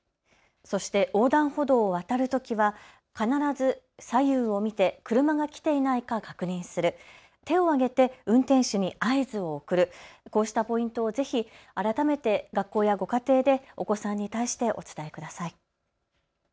そして横断歩道を渡るときは必ず左右を見て車が来ていないか確認する、手を上げて運転手に合図を送る、こうしたポイントをぜひ改めて学校やご家庭でお子さんに対してお伝えください。